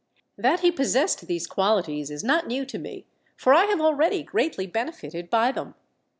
That he possessed these qualities is not new to me, for I have already greatly benefited by them.